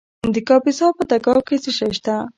د کاپیسا په تګاب کې څه شی شته؟